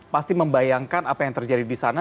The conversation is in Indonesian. pasti membayangkan apa yang terjadi di sana